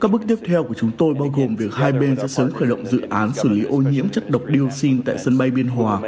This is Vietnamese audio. các bước tiếp theo của chúng tôi bao gồm việc hai bên sẽ sớm khởi động dự án xử lý ô nhiễm chất độc dioxin tại sân bay biên hòa